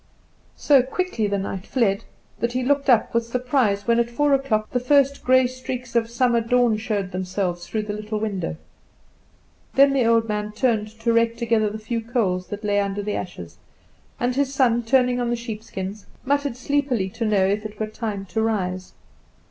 So quickly the night fled, that he looked up with surprise when at four o'clock the first grey streaks of summer dawn showed themselves through the little window. Then the old man turned to rake together the few coals that lay under the ashes, and his son, turning on the sheepskins, muttered sleepily to know if it were time to rise.